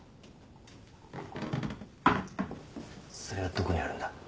それはどこにあるんだ？